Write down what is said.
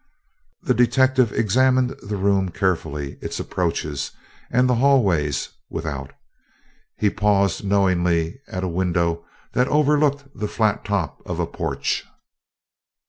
The detective examined the room carefully, its approaches, and the hall ways without. He paused knowingly at a window that overlooked the flat top of a porch.